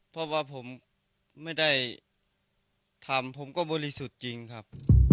เพราะว่าผมไม่ได้ทำผมก็บริสุทธิ์จริงครับ